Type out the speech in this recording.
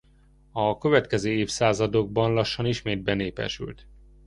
A következő évszázadokban lassan ismét benépesült.